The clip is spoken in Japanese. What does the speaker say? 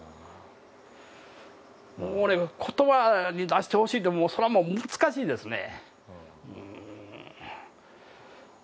言葉に出してほしいと、それはもう難しいですね。